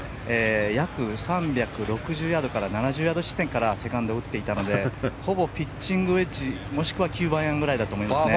約３６０ヤードから３７０ヤード地点からセカンドを打っていたのでほぼピッチングウェッジもしくは９番アイアンぐらいだと思いますね。